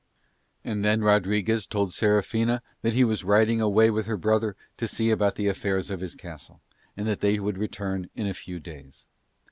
And then Rodriguez told Serafina that he was riding away with her brother to see about the affairs of his castle, and that they would return in a few days.